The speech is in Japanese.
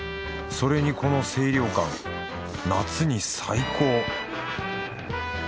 それにこの清涼感夏に最高！